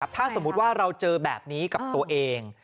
ถ้าสมมุติว่าเราเจอแบบนี้กับตัวเอง